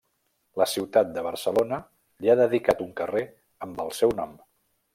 La ciutat de Barcelona li ha dedicat un carrer amb el seu nom.